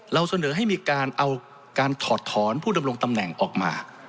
เราเสนอให้มีการเอาการถอดถอนผู้ดำรงตำแหน่งออกมา